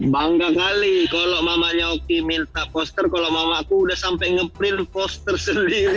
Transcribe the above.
bangga kali kalau mamanya oki minta poster kalau mama aku udah sampai nge print poster tersendiri